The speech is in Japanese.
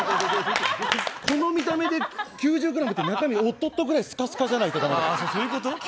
この見た目で９０ｇって中身おっとっとぐらいスカスカ。